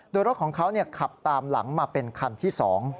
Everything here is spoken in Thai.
โดยรถของเขาขับตามหลังมาเป็นคันที่๒